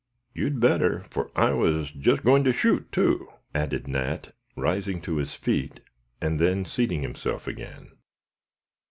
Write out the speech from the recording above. "You'd better, for I was just going to shoot, too," added Nat, rising to his feet, and then seating himself again.